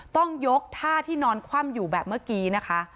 ต้องยกท่าที่นอนคว่ำอยู่แบบเมื่อกี้นะคะ